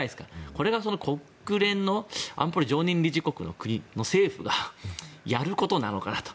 これが国連の安保理常任理事国の政府がやることなのかなと。